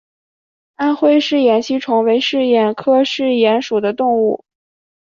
安徽嗜眼吸虫为嗜眼科嗜眼属的动物。